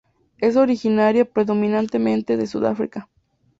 Es originaria predominantemente de Sudáfrica.